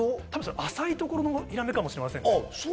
浅いところのヒラメかもしれませんね。